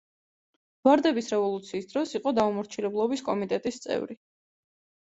ვარდების რევოლუციის დროს იყო „დაუმორჩილებლობის კომიტეტის“ წევრი.